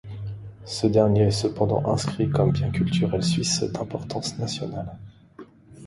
Ce dernier est cependant inscrit comme bien culturel suisse d'importance nationale.